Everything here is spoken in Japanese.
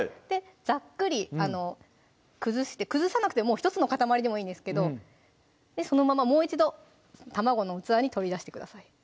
ざっくり崩して崩さなくてもう１つの塊でもいいんですけどそのままもう一度卵の器に取り出してください